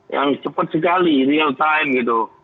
yang cepat sekali real time gitu